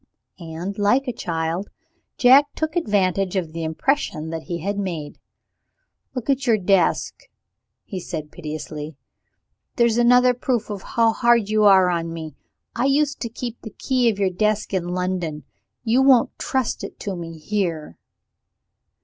And, like a child, Jack took advantage of the impression that he had made. "Look at your desk," he said piteously; "there's another proof how hard you are on me. I used to keep the key of your desk in London. You won't trust it to me here."